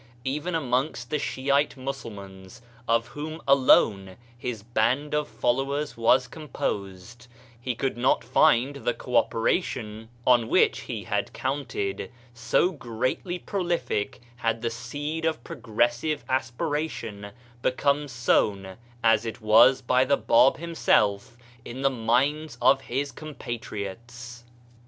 Even amongst the Shiite Musulmans— of whom alone his band of followers was composed — he could not find the co operation on which he had ADRIANOPLE 81 counted, so greatly prolific had the seed of progressive aspiration become sown as it was by the Bab himself in the minds of his compatriots.